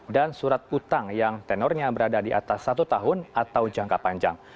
dan surat utang yang tenornya berada di atas satu tahun atau jangka panjang